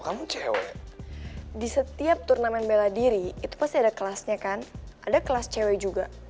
kamu cewek di setiap turnamen bela diri itu pasti ada kelasnya kan ada kelas cewek juga